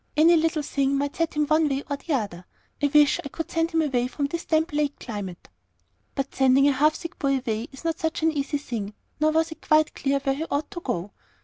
Any little thing might set him one way or the other. I wish I could send him away from this damp lake climate." But sending a half sick boy away is not such an easy thing, nor was it quite clear where he ought to go.